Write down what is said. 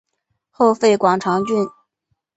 后废广长郡。